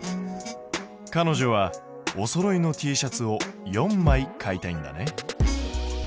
かのじょはおそろいのＴシャツを４枚買いたいんだね。